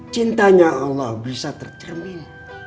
cintanya allah bisa tercermin